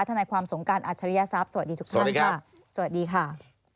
ท่านในความสงการอัชริยทรัพย์สวัสดีทุกคนค่ะสวัสดีครับสวัสดีค่ะ